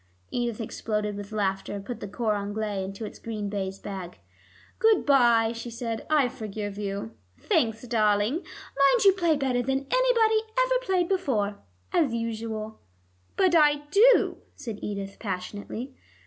Edith exploded with laughter, and put the cor anglais into its green baize bag. "Good by," she said, "I forgive you." "Thanks, darling. Mind you play better than anybody ever played before, as usual." "But I do," said Edith passionately.